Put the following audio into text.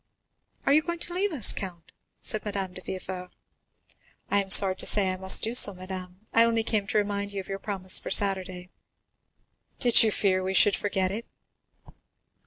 "Are you going to leave us, count?" said Madame de Villefort. "I am sorry to say I must do so, madame, I only came to remind you of your promise for Saturday." "Did you fear that we should forget it?"